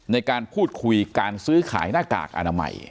ในการพูดคุยการซื้อขายหน้ากากอนามัย